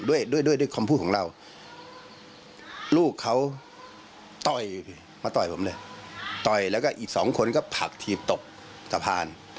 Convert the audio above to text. ด้วยด้วยคำพูดของเราลูกเขาต่อยมาต่อยผมเลยต่อยแล้วก็อีกสองคนก็ผลักถีบตกสะพาน